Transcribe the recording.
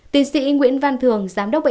tiến sĩ nguyễn văn thường